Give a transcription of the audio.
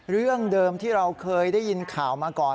เรื่องเดิมที่เราเคยได้ยินข่าวมาก่อน